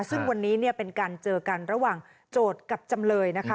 ซึ่งวันนี้เนี่ยเป็นการเจอกันระหว่างโจทย์กับจำเลยนะคะ